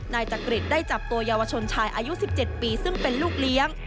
นายจักริตได้จับตัวเยาวชนชายอายุ๑๗ปีซึ่งเป็นลูกเลี้ยง